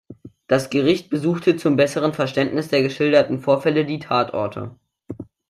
Das Gericht besuchte zum besseren Verständnis der geschilderten Vorfälle die Tatorte.